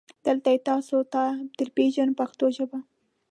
دلته یې تاسو ته درپېژنو په پښتو ژبه.